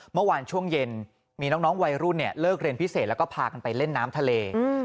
เมื่อวานช่วงเย็นมีน้องวัยรุ่นเลิกเรียนพิเศษแล้วก็พากันไปเล่นน้ำทะเล